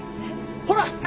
ほら。